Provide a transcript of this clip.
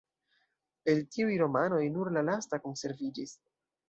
El tiuj romanoj nur la lasta konserviĝis.